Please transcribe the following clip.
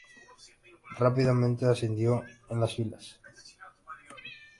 Rápidamente ascendió en las filas.